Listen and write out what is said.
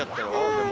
でも。